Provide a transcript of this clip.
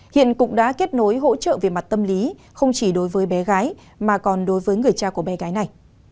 hiện cục đã kết nối hỗ trợ về mặt tâm lý không chỉ đối với bé gái mà còn đối với người cha của bé gái này